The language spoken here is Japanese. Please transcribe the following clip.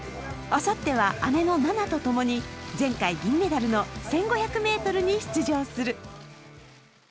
あさっては、姉の菜那とともに前回銀メダルの１５００ｍに出場する。